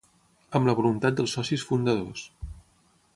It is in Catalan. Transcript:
amb la voluntat dels socis fundadors